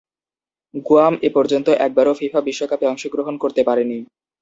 Guam এপর্যন্ত একবারও FIFA বিশ্বকাপে অংশগ্রহণ করতে পারেনি।